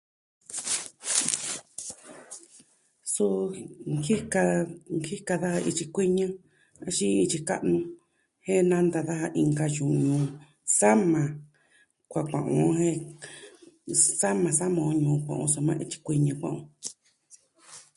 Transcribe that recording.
Suu, nejika, jika da ityi kuiñɨ axin ityi ka'nu jen nanta daja inka yu'u o. Sama kuaa kua'an o je sama sama o nuu kua'an o soma ityi kuiñɨ kua'an o.